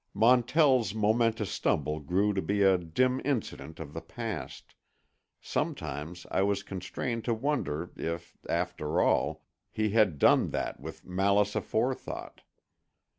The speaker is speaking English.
Montell's momentous stumble grew to be a dim incident of the past; sometimes I was constrained to wonder if, after all, he had done that with malice aforethought.